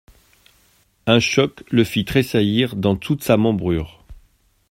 Un choc le fit tressaillir dans toute sa membrure.